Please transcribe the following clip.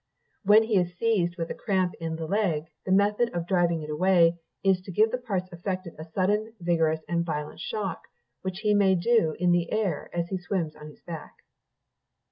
"When he is seized with the cramp in the leg, the method of driving it away is to give the parts affected a sudden, vigorous, and violent shock; which he may do in the air as he swims on his back.